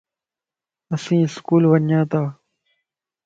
اسين اسڪول ونياتان